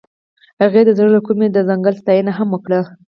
هغې د زړه له کومې د ځنګل ستاینه هم وکړه.